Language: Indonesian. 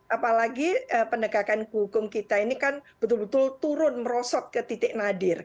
apalagi penegakan hukum kita ini kan betul betul turun merosot ke titik nadir